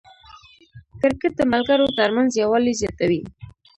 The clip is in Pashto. کرکټ د ملګرو ترمنځ یووالی زیاتوي.